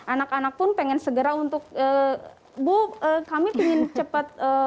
anak anak pun pengen segera untuk bu kami ingin cepat